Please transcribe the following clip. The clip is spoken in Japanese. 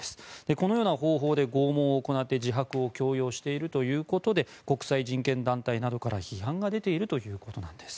このような方法で拷問を行って自白を強要しているということで国際人権団体などから批判が出ているということです。